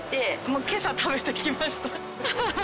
もう今朝食べてきました。